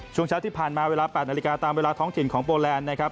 ช่วงเช้าที่ผ่านมาเวลา๘นาฬิกาตามเวลาท้องถิ่นของโปแลนด์นะครับ